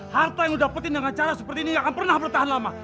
harta yang lu dapetin dengan cara seperti ini nggak akan pernah bertahan lama